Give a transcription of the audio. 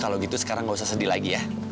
kalau gitu sekarang nggak usah sedih lagi ya